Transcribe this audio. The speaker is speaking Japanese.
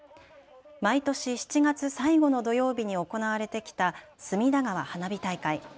毎年７月最後の土曜日に行われてきた隅田川花火大会。